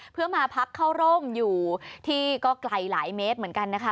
เพื่อมาพักเข้าร่มอยู่ที่ก็ไกลหลายเมตรเหมือนกันนะคะ